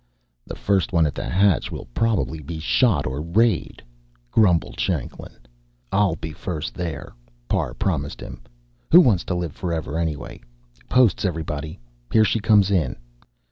"The first one at the hatch will probably be shot or rayed," grumbled Shanklin. "I'll be first there," Parr promised him. "Who wants to live forever, anyway? Posts, everybody. Here she comes in."